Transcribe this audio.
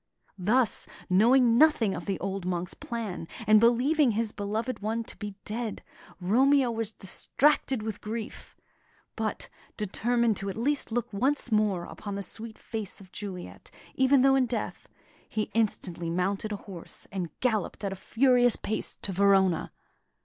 Thus knowing nothing of the old monk's plan, and believing his beloved one to be dead, Romeo was distracted with grief; but, determined to at least look once more upon the sweet face of Juliet, even though in death, he instantly mounted a horse, and galloped at a furious pace to Verona.